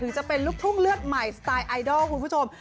จะเป็นลูกทุ่งเลือดใหม่สไตล์ไอดอลคุณผู้ชม